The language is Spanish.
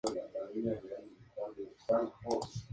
Es originario del altiplano andino del Perú.